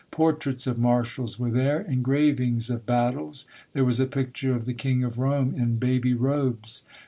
Portraits of marshals were there, engravings of battles; there was a picture of the King of Rome in baby The Siege of Berlin, 47 robes.